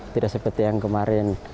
tidak seperti yang kemarin